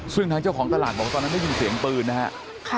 ซึ่งทางเจ้าของตลาดบอกว่าตอนนั้นได้ยินเสียงปืนนะครับ